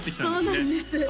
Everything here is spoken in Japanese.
そうなんです